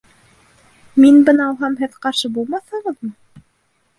Мин быны алһам, һеҙ ҡаршы булмаҫһығыҙмы?